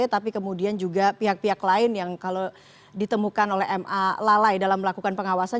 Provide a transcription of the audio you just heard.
tapi kemudian juga pihak pihak lain yang kalau ditemukan oleh ma lalai dalam melakukan pengawasan